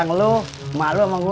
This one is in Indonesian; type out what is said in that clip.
siang lu emak lu sama gue